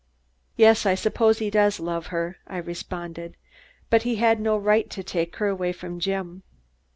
"Yes, I suppose he does love her," I responded, "but he had no right to take her away from Jim."